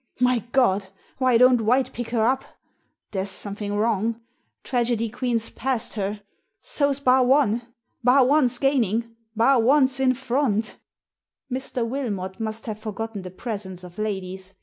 My God ! Why don't White pick her up ? There's something wrong! Tragedy Queen's passed her! So's Bar One! Bar One's gaining! Bar One's in front !!!" Mr. Wilmot must have forgotten the presence of ladies.